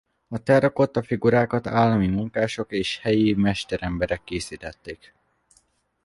A terrakotta figurákat állami munkások és helyi mesteremberek készítették.